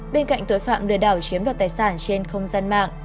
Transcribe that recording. bên cạnh tội phạm lừa đảo chiếm đoạt tài sản trên không gian mạng